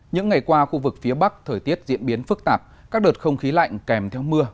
những ngày qua khu vực phía bắc thời tiết diễn biến phức tạp các đợt không khí lạnh kèm theo mưa